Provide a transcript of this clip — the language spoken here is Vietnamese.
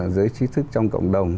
giới trí thức trong cộng đồng